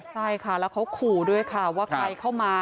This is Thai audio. ใช่ค่ะแล้วเขาขู่ด้วยค่ะว่าใครเข้ามา